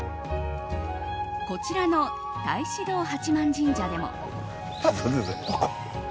こちらの太子堂八幡神社でも。